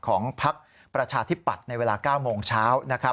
ของพักประชาธิบัติในเวลา๙โมงเช้า